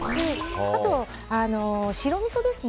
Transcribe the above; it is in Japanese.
あと、白みそですね。